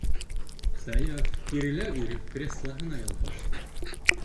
- Саяф, кирелә биреп, креслоһына ялпашты.